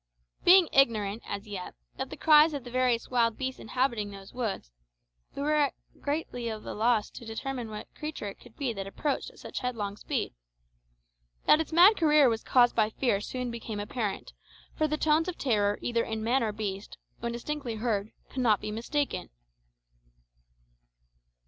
Being ignorant, as yet, of the cries of the various wild beasts inhabiting those woods, we were greatly at a loss to determine what creature it could be that approached at such headlong speed. That its mad career was caused by fear soon became apparent, for the tones of terror either in man or beast, when distinctly heard, cannot be mistaken.